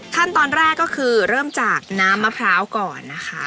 ขั้นตอนแรกก็คือเริ่มจากน้ำมะพร้าวก่อนนะคะ